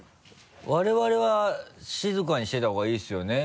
我々は静かにしてた方がいいですよね？